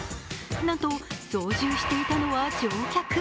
なんと操縦していたのは乗客。